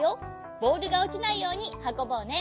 ボールがおちないようにはこぼうね。